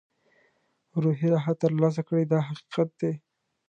روحي راحت ترلاسه کړي دا حقیقت دی.